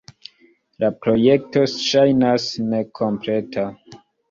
La projekto ŝajnas nekompleta.